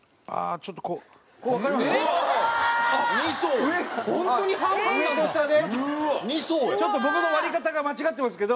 ちょっと僕の割り方が間違ってますけど。